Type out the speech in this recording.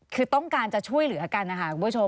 คือต้องการจะช่วยเหลือกันนะคะคุณผู้ชม